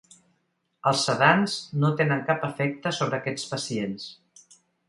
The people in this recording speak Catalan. Els sedants no tenen cap efecte sobre aquests pacients.